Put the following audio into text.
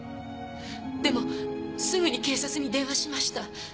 でもすぐに警察に電話しました！